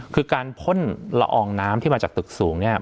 คือการพ่นละอองน้ำที่มาจากตึกสูงเนี่ย